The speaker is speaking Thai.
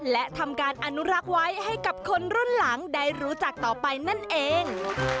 และทำการอนุรักษ์ไว้ให้กับคนรุ่นหลังได้รู้จักต่อไปนั่นเอง